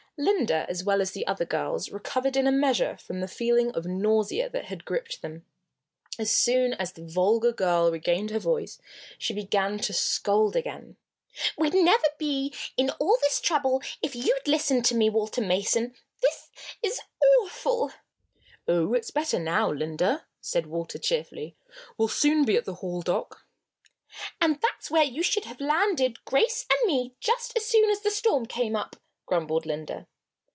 Linda, as well as the other girls, recovered in a measure from the feeling of nausea that had gripped them. As soon as the vulgar girl regained her voice she began to scold again. "We'd never been in all this trouble if you'd listened to me, Walter Mason! This is awful!" "Oh, it's better now, Linda," said Walter, cheerfully. "We'll soon be at the Hall dock." "And that's where you should have landed Grace and me just as soon as the storm came up," grumbled Linda.